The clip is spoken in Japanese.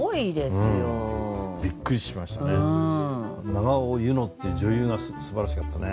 永尾柚乃っていう女優が素晴らしかったね。